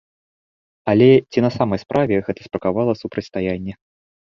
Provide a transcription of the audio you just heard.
Але ці на самай справе гэта справакавала супрацьстаянне?